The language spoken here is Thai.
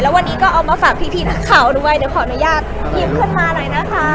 วันนี้ก็เอามาฝากพี่นักข่าวด้วยเดี๋ยวขออนุญาตหยิบขึ้นมาหน่อยนะคะ